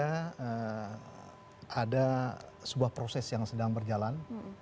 karena ada sebuah proses yang sedang berjalan